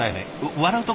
笑うとこ？